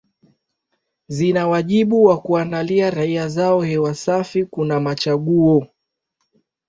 zina wajibu wa kuwaandalia raia zao hewa safi Kuna machaguo